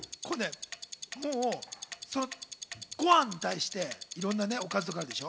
ご飯に対していろんなおかずとかあるでしょ？